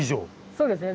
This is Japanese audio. そうですね。